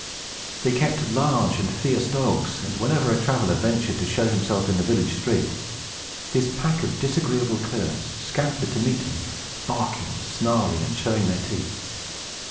They kept large and fierce dogs, and whenever a traveler ventured to show himself in the village street, this pack of disagreeable curs scampered to meet him, barking, snarling, and showing their teeth.